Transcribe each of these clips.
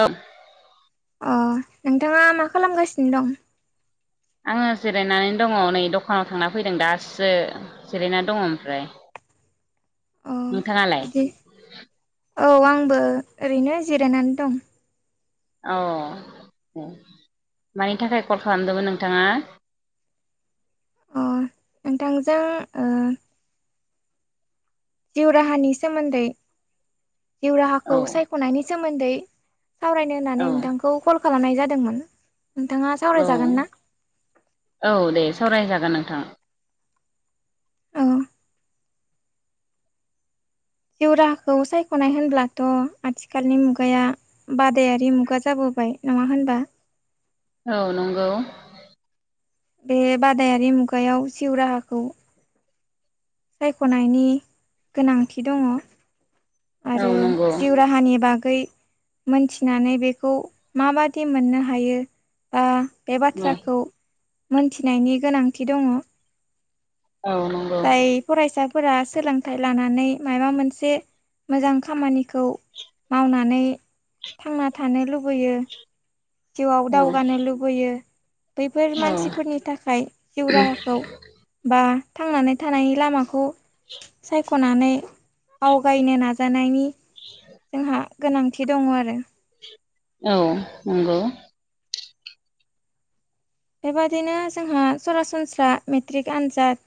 ओ। अ नोंथाङा मा खालामगासिनो दं? आङो जिरायनानै दङ नै दखानाव थांना फैदों दासो। जिरायना दङ ओमफ्राय। अ। नोंथाङालाय? बिदि औ आंबो ओरैनो जिरायनानै दं। औ ओ मानि थाखाय कल खालामदोंमोन नोंथाङा? अ नोंथांजों ओ जिउ राहानि सोमोन्दै जिउ औ राहाखौ सायख'नायनि सोमोन्दै सावरायनो औ होननानै नोंथांखौ कल खालामनाय जादोंमोन नोंथाङा औ सावरायजागोन ना? औ दे सावरायजागोन नोंथां। औ जिउराहाखौ सायख'नाय होनब्लाथ' आथिखालनि मुगाया बादायारि मुगा जाबोबाय नङा होनबा? औ नंगौ। बे बादायारि मुगायाव सिउ राहाखौ सायख'नायनि गोनांथि दङ। औ आरो नंगौ जिउ राहानि बागै मोनथिनानै बेखौ माबादि मोननो हायो। बा बे बाथ्राखौ मोनथिनायनि गोनांथि दङ। औ नं जाय फरायसाफोरा सोलोंथाइ लानानै मायबा मोनसे मोजां खामानिखौ मावनानै थांना थानो लुबैयो। जिउआव औ दावगानो लुबैयो। बैफोर औ मानसिफोरनि थाखाय जिउ राहाखौ बा थांनानै थानायनि लामाखौ सायख' खनानै आवगायनो नाजानायनि जोंहा गोनांथि दङ आरो। औ नंगौ। बेबादिनो जोंहा सरासनस्रा मेट्रिक आनजाद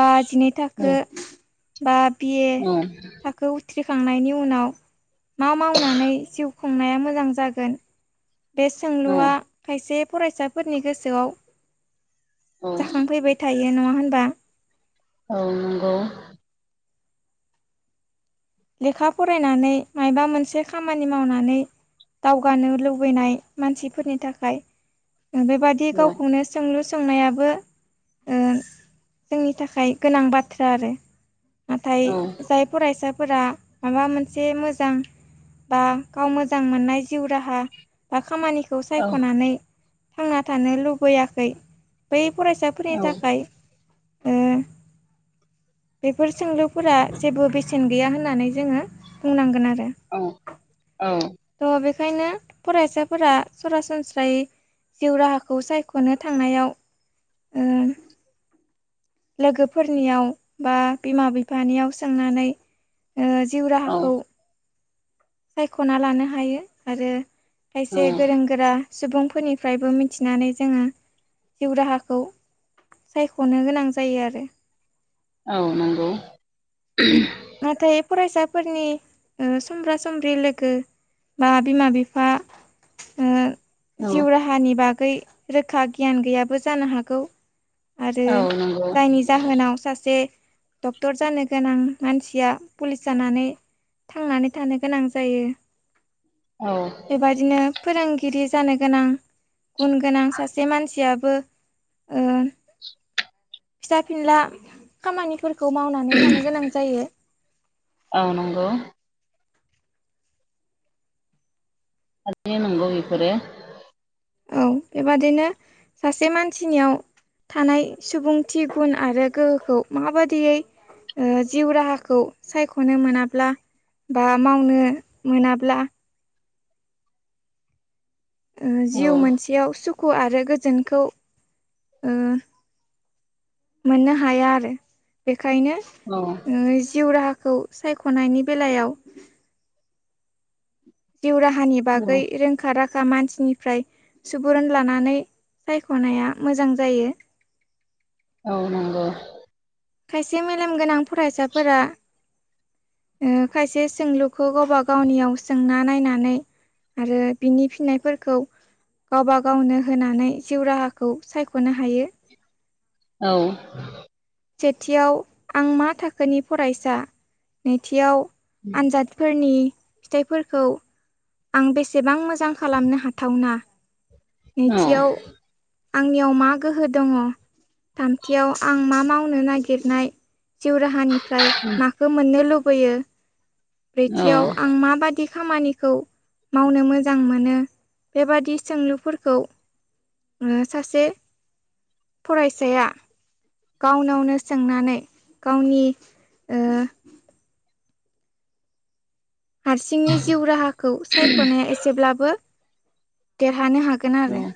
बा जिनै औ थाखो बा बिए औ थाखो उथ्रिखांनायनि उनाव मा मावनानै जिउ खुंनाया मोजां जागोन बे औ सोंलुआ खायसे फरायसाफोरनि गोसोआव औ जाखांफैबाय थायो नङा होनबा। औ नंगौ। लेखा फरायनानै माबा मोनसे खामानि मावनानै दावगानो लुबैनाय मानसिफोरनि थाखाय बेबादि औ गावखौनो सोंलु सोंनायाबो ओ जोंनि थाखाय गोनां बाथ्रा आरो नाथाय औ जाय फरायसा फोरा माबा मोनसे मोजां बा गाव मोजां मोननाय जिउ राहा बा खामानि खौ औ सायख'नानै थांना थानो लुबैयाखै बै फरायसा फोरनि औ थाखाय बेफोर सोंलुफोरा जेबो बे सेन गैया होननानै जोङो बुंनांगोन आरो। औ औ थ' बेखायनो फरायसाफोरा सरासनस्रायै जिउ राहाखौ सायख'नो थांनायाव उम लोगोफोरनियाव बा बिमा बिफानियाव सोंनानै जिउ राहाखौ सायख'ना लानो हायो आरो औ खायसे गोरों गो रा सुबुंफोरनिफ्रायबो मिथिनानै जोङो जिउ राहाखौ सायख'नो गोनां जायो आरो। औ नंगौ। नाथाय फरायसाफोरनि समब्रा समब्रि लोगो बा बिमा बिफा औ जिउ राहानि बागै रोखा गियान गैयाबो जानो हागौ। आरो औ नंगौ जायनि जाहोनाव सासे डक्टर जानो गोनां मानसिया पुलिस जानानै थांनानै थानो गोनां जायो औ बेबदिनो फोरोंगिरि जानो गोनां गुन गोनां सासे मानसियाबो फिसा फिनला खामानिफोरखौ मावनानै थानो गोनां जायो औ नंगौ हनो नंगौ बेफोरो औ बेबादिनो सासे मानसिनियाव थानाय सुबुंथि गुन आरो गोहोखौ माबाददियै जिउ राहाखौ सायख'नो मोनाब्ला बा मावनो मोनाब्ला औ जिउ मोनसेयाव सुखु आरो गोजोनखौ मोननो हाया आरो बेखायनो औ नोङो जिउ राहाखौ सायख'नायनि बेलायाव जिउ राहानि बागै औ रों रखाा राखा मानसिनिफ्राय सुबुरुन लानानै सायख'नाया मोजां जायो औ नांगौ खायसे मेलेम गोनां फरायसाफोरा खायसे सोंलुखौ गावबा गावनियाव सोंना नायनानै आरो बिनि फिननायफोरखौ गावबा गावनो होनानै जिउ राहाखौ सायख'नो हायो औ सेथियाव आं मा थाखोनि फरायसा नैथियाव उम आनजादफोरनि फिथाइफोरखौ आं बेसेबां मोजां खालामनो हाथावना औ नैथियाव आंनियाव मा गोहो दङ थामथियाव आं मा मावनो नागिरनाय जिउ राहानिफ्राय माखौ मोननो लुबैयो औ ब्रैथियाव आं माबादि खामानिखौ मावनो मोजां मोनो बेबादि सोंलुफोरखौ सासे फरायसाया गावनावनो सोंनानै गावनि हारसिंनि जिउ राहाखौ सायख'नाया एसेब्लाबो देरहानो हागोन आरो। औ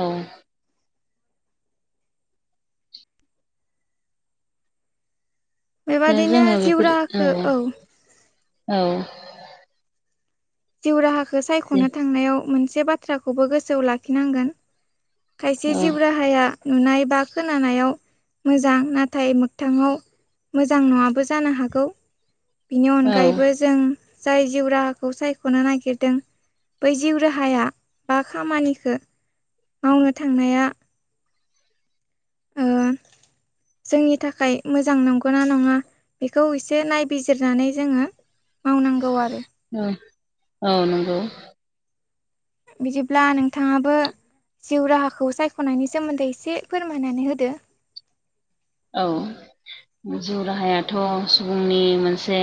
औ दा बेबादिनो जोङो जिउ बेफोर राहाखो औ औ जिउ राहाखौ दे सायख'नो थांनायाव मोनसे बाथ्राखौबो गोसोआव लाखिनांगोन खायसे औ जिउ राहाया नुनाय बा खोनानायाव मोजां नाथाय मोोगथाङाव मोजां न'आाबबो जानो हागौ बेनि औ अनगायैबो जों जाय जिउ राहाखौ सायख'नो नागिरदों बै जिउ राहाया बा खामानिखौ मावनो थांनाया उम जोंनि थाखाय मोजां नंगौना नङा बेखौ एसे नायबिजिरनानै जोङो मावनांगौ आरो औ औ नंगौ बिदिब्ला नोंथाङाबो जिउ राहाखौ सायख'नायनि सोमोन्दै एसे फोरमायनानै होदो औ जिउ राहायाथ' सुबुंनि मोनसे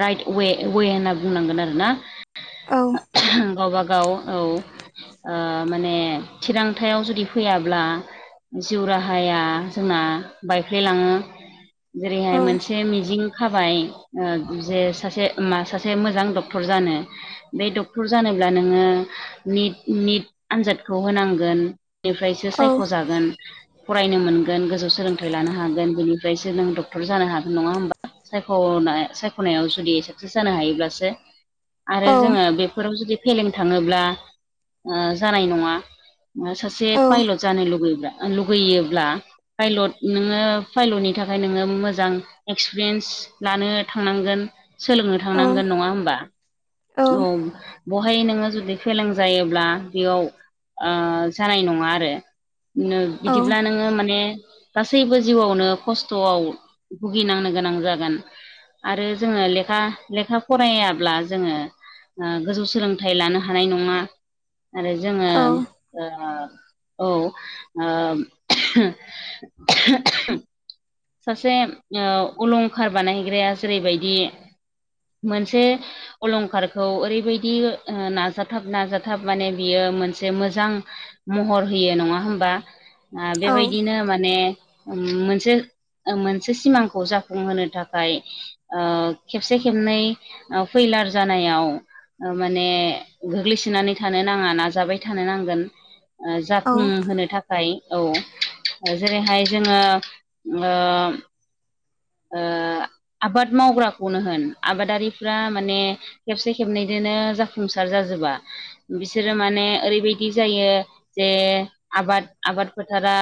राइट वे वे होनना बुंनांगोन आरोना औ गावबाागाव औ ओ माने थिरांथायाव जुदि फैयाब्ला जिउ राहाया जोंना बायफ्लेलाङो जेरैहाय औ मोनसे मिजिं खाबाय जे सासे मा सासे मोजां डक्टर जानो बे डक्टर जानोब्ला नोङो निट निट आनजादखौ होनांगोन निफ्रायसो औ सायख'जागोन फरायनो मोन गोजौ सोलोंथाइ लानो हागोन बेनिफ्रायसो नों डक्टर जानो हानाय नङा होमबा। सायख'नाय सायख'नायाव जुदि साक्सेस जानो हायोब्लासो आरो जोङो औ बेफोराव जुदि फेलें थाङोब्ला जानाय नङा सासे औ पाइलट जानो लुगैरा लुगैयोब्ला फायल नोङो फायल'नि थाखाय नोङो मोजां एक्सपिरियेन्स लानो थांनांगोन। सोलोंनो औ थांनांगोन नङा होमबा औ बेहाय नोङो जुदि फेलें जायोब्ला बेयाव जानाय नङा आरो औ बिदिब्ला नोङो माने गासैबो जिउआवनो खस्थ'आव भुगिनांनो गोनां जागोन। आरो जोङो लेखा लेखा फरायाब्ला जोङो गोजौ सोलोंथाइ लानो हानाय नङा आरो जोङो औ सासे अलंखार बानायग्राया जेरैबायदि मोनसे अलंखारखौ ओरैबायदि ओ नाजाथाब नाजाथाब माने बियो मोनसे मोजां महर होयो नङा होमबा औ बेबायदिनो माने मोनसे मोनसे सिमांखौ जाफुंहोनो थाखाय ओ खेबसे खेबनै फैलार जानायाव माने गोग्लैसोनानै थानो नाङा नाजाबाय थानो नांगोन। औ जाफुंहोनो थाखाय औ जेरैहाय जोङो ओ ओ आबाद मावग्राखौनो होन आबादारिफ्रा माने खेबसे खेबनैजोंनो जाफुंसार जाजोबा बिसोरो माने ओरैबायदि जायो जे आबाद आबाद फोथारा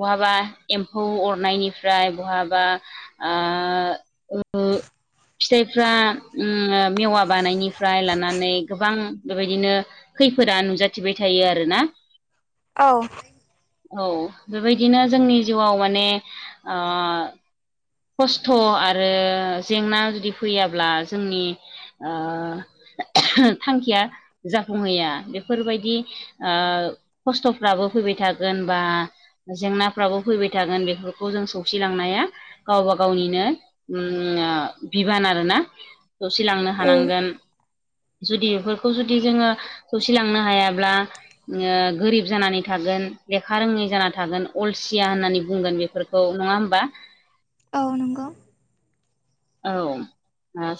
बहाबा एम्फौ अरनायनिफ्राय बहाबा ओ ओ फिथाइफ्रा ओम मेवा बानायनिफ्राय लानानै गोबां बेबायदिनो खैफोदा नुजाथिबाय थायो आरोना औ औ बेबायदिनो जोंनि जिउआव माने ओ खस्थ' आरो जेंना जुदि फैयाब्ला जोंनि ओ थांखिया जाफुंहैया बेफोरबायदि ओ खस्थ'फ्राबो फैबाय थागोन बा जेंनाफ्राबो फैबाय थागोन बेफोरखौ जों सौसिलांनाया गावबा गावनिनो ओम बिबान आरोना दसे लांनो औ हानांगोन जुदि बेफोरखौ जुदि जोङो खौसिलांनो हायाब्ला ओ गोरिब जानानै थागोन लेखा रोङै जाना थागोन अलसिया होननानै बुंगोन बेफोरखौ औ नङा होमबा औ नंगौ। औ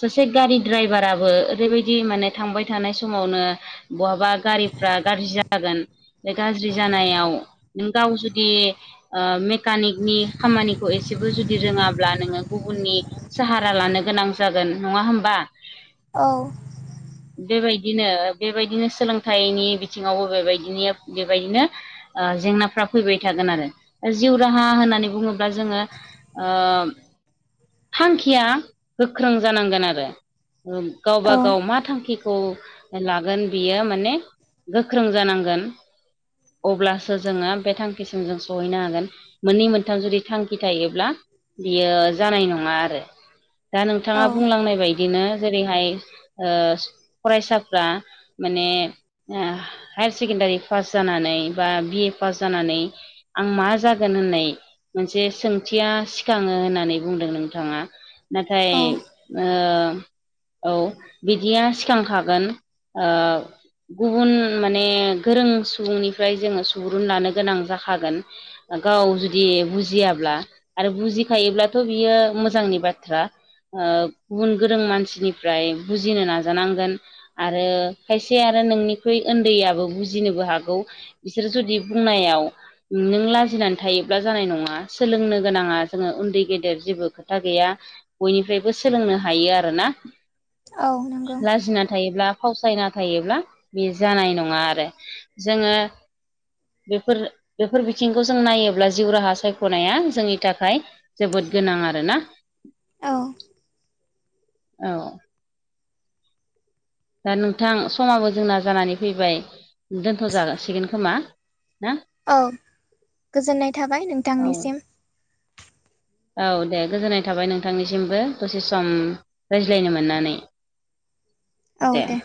सासे गारि ड्राइभाराबो ओरैबायदि माने थांबाय थानाय समावनो बहाबा गारिफ्रा गाज्रि जागोन बे गाज्रि जानायाव नों गाव जुदि ओ मेकानिकनि खामानिखौ एसेबो जुदि रोङाब्ला नोङो गुबुननि साहारा लानो गोनां जागोन, नङा होमबा? औ। बेबायदिनो बेबायदिनो सोलोंथाइनि बिथिङावबो बेबायदिनो बेबायदिनो ओ जेंनाफ्रा फैबाय थागोन आरो जिउ राहा होननानै बुङोब्ला जोङो ओ थांखिया गोख्रों जानांगोन आरो। औ गावबा गाव मा थांखिखौ लागोन बियो माने गोख्रों जानांगोन। अब्लासो जोङो बे थांखिसिम जों सहैनो हागोन मोननै मोनथाम जुदि थांखि थायोब्ला बियो जानाय नङा। आरो दा औ नोंथाङा बुंलांनाय बायदि बिदिनो जेरैहाय ओ फरायसाफ्रा माने ओ हायार सेकेण्डारि पास जानानै बा बिए पास जानानै आं मा जागोन होननाय मोनसे सोंथिया सिखाङो होननानै बुंदों नों थाङा नाथाय औ ओ औ बिदिया सिगांखागोन ओ गुबुन माने गोरों सुबुंनिफ्राय जोङो सुबुरुन लानो गोनां जाखागोन गाव जुदि बुजियाब्ला आरो बुजिखायोब्लाथ' बियो मोजांनि बाथ्रा ओ गुबुन गोरों मानसिनिफ्राय बुजिनो नाजानांगोन। आरो खायसे आरो नोंनिख्रुइ उन्दैयाबो बुजिनोबो हागौ। बिसोर जुदि बुंनायाव नों लाजिनानै थायोब्ला जानाय नङा सोलोंनो गोनाङा जोङो उन्दै गेदेर जेबो खो था गैया बयनिफ्रायबो सोलोंनो हायो आरोना। औ नंगौ लाजिना थायोब्ला फावसयना थायोब्ला बे जानाय नङा आरो जोङो बेफोर बेफोर बिथिंखौ जों नायोब्ला जिउ राहा सायख'नाया जोंनि थाखाय जोबोद गोनां आरो ना। औ औ [inaudible] दा नोंथां समाबो जोंना जानानै फैबाय। दोनथ'जासिगोन खोमा ना? औ गोजोननाय थाबाय औ नोंथांनिसिम। औ दे गोजोननाय थाबाय नोंथांनिसिमबो दसे सम रायज्लायनो मोननानै। औ दे।